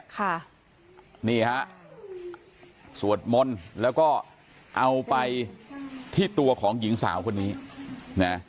ค่ะนี่ฮะสวดมนต์แล้วก็เอาไปที่ตัวของหญิงสาวคนนี้นะ